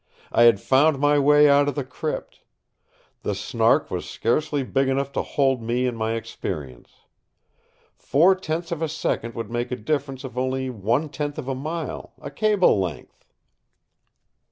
I had found my way out of the crypt. The Snark was scarcely big enough to hold me and my experience. Four tenths of a second would make a difference of only one tenth of a mile—a cable length!